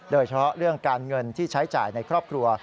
โดยเฉพาะเรื่องการเงินที่ใช้จ่ายในครอบครัว